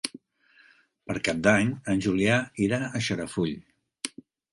Per Cap d'Any en Julià irà a Xarafull.